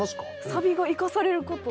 サビが生かされること。